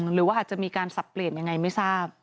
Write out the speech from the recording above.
หรือว่าอาจจะมีการสับเปลี่ยนยังไงไม่ทราบ